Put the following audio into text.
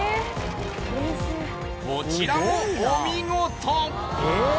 こちらもお見事！